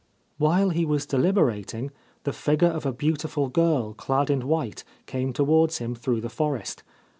While he was deliberating the figure of a beautiful girl clad in white came towards him through the forest.